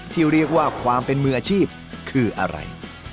ที่เรียกว่าความเป็นมืออาชีพคืออะไร